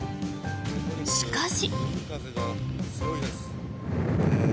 しかし。